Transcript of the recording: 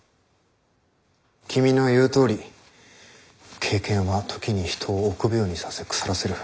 君の言うとおり経験は時に人を臆病にさせ腐らせる。